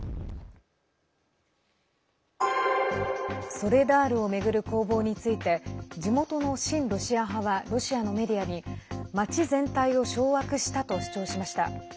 ソレダールを巡る攻防について地元の親ロシア派はロシアのメディアに町全体を掌握したと主張しました。